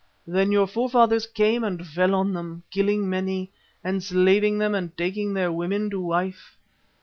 Then your forefathers came and fell on them, killing many, enslaving many and taking their women to wife.